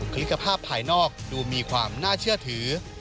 คลิปภาพภายนอกดูมีความน่าเชื่อถือ